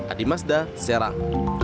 adi mazda serang